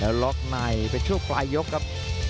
แล้วล็อกในเป็นช่วงปลายยกครับ